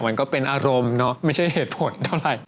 มันก็เป็นอารมณ์เนอะไม่ใช่เหตุผลเท่าไหร่